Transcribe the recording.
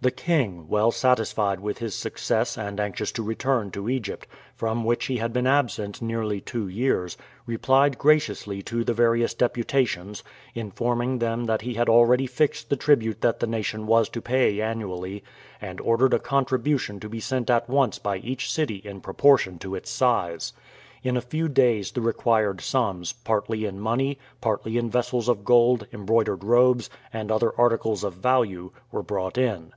The king, well satisfied with his success and anxious to return to Egypt, from which he had been absent nearly two years, replied graciously to the various deputations, informing them that he had already fixed the tribute that the nation was to pay annually, and ordered a contribution to be sent in at once by each city in proportion to its size. In a few days the required sums, partly in money, partly in vessels of gold, embroidered robes, and other articles of value, were brought in.